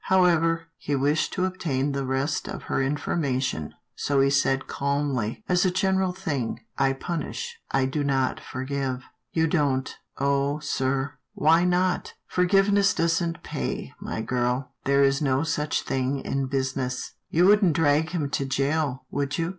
How ever, he wished to obtain the rest of her informa tion, so he said calmly, As a general thing, I punish, I do not forgive." " You don't. Oh, sir, why not? "" Forgiveness doesn't pay, my girl. There is no such thing in business." "You wouldn't drag him to jail, would you?"